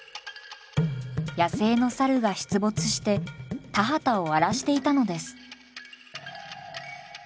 野生のサルが出没して田畑を荒らしていたのです。